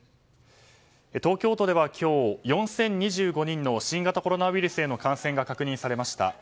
東京都では今日、４０２５人の新型コロナウイルスへの感染が確認されました。